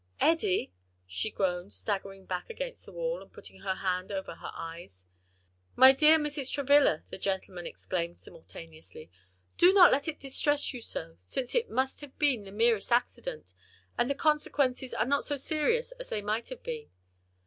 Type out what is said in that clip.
'" "Eddie!" she groaned, staggering back against the wall, and putting her hand over her eyes. "My dear madam!" "My dear Mrs. Travilla," the gentlemen exclaimed simultaneously, "do not let it distress you so, since it must have been the merest accident, and the consequences are not so serious as they might have been."